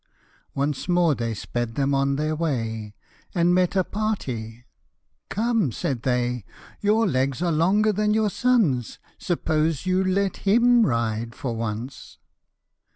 Once more they sped them on their way, And met a party. " Come," said they, " Your legs are longer than your son's ; Suppose you let him ride for once."